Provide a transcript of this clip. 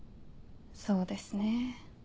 そうですねぇ。